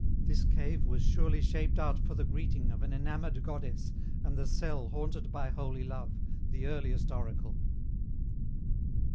This cave was surely shaped out for the greeting Of an enamoured Goddess, and the cell Haunted by holy Love the earliest oracle!